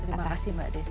terima kasih mbak desi